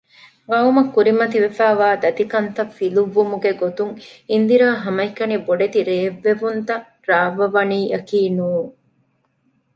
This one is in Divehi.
ޤައުމަށް ކުރިމަތިވެފައިވާ ދަތިކަންތައް ފިލުއްވުމުގެ ގޮތުން އިންދިރާ ހަމައެކަނި ބޮޑެތި ރޭއްވެވުންތައް ރާއްވަވަނީއަކީ ނޫން